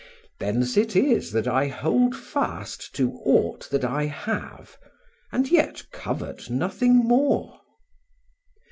Thence it is that I hold fast to aught that I have, and yet covet nothing more.